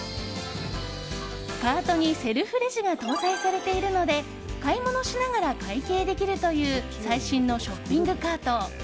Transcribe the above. カートにセルフレジが搭載されているので買い物しながら会計できるという最新のショッピングカート。